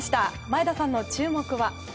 前田さんの注目は？